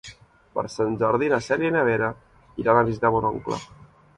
Per Sant Jordi na Cèlia i na Vera iran a visitar mon oncle.